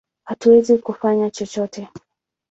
Hatuwezi kufanya chochote!